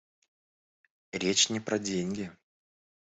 Речь не про деньги.